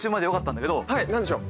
はい何でしょう？